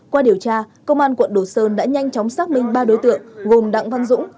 qua điều tra công an quận đồ sơn đã nhanh chóng xác minh ba đối tượng gồm đặng văn dũng